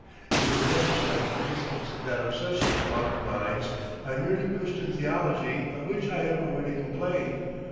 It is another striking instance of that obsession of modern minds by merely Christian theology of which I have already complained.